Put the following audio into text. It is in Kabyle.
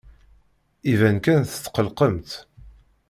Iban kan tetqellqemt.